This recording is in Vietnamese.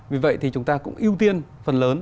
vì vậy thì chúng ta cũng ưu tiên phần lớn